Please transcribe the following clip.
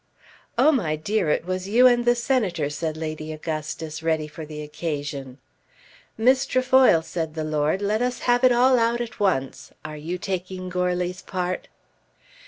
"Oh my dear it was you and the Senator," said Lady Augustus, ready for the occasion. "Miss Trefoil," said the lord, "let us have it all out at once. Are you taking Goarly's part?"